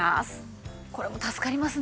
これも助かりますね。